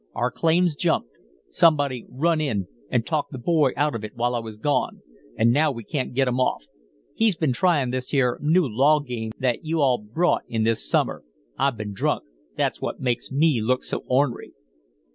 "Our claim's jumped. Somebody run in and talked the boy out of it while I was gone, and now we can't get 'em off. He's been tryin' this here new law game that you all brought in this summer. I've been drunk that's what makes me look so ornery."